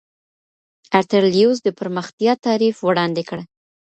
ارتر لیوس د پرمختیا تعریف وړاندې کړ.